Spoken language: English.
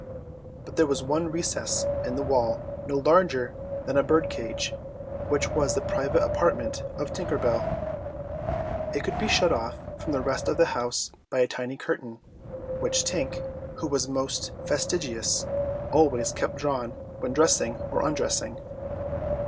But there was one recess in the wall, no larger than a bird cage, which was the private apartment of Tinker Bell. It could be shut off from the rest of the house by a tiny curtain, which Tink, who was most fastidious, always kept drawn when dressing or undressing.